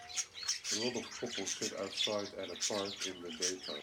A lot of couples sit outside at a park in the daytime.